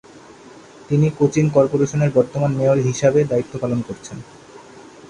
তিনি কোচিন কর্পোরেশনের বর্তমান মেয়র হিসাবে দায়িত্ব পালন করছেন।